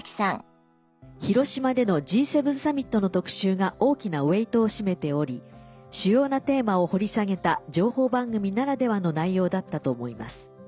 「広島でのＧ７サミットの特集が大きなウエートを占めており主要なテーマを掘り下げた情報番組ならではの内容だったと思います。